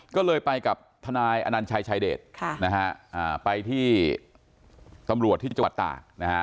ก็เลยไปกับทนายอนัญชัยชายเดชไปที่ตำรวจที่จังหวัดตากนะฮะ